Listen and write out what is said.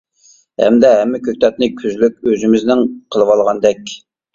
ھەمدە ھەممە كۆكتاتنى كۈزلۈك ئۆزىمىزنىڭ قىلىۋالغاندەك.